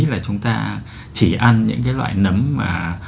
là chúng ta chỉ ăn những cái loại nấm mà